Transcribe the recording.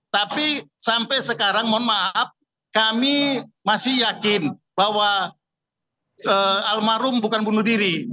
tapi sampai sekarang mohon maaf kami masih yakin bahwa almarhum bukan bunuh diri